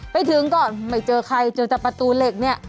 ไม่ถึงก่อนไม่เจอใครเจอก็ประตูเล็กนี่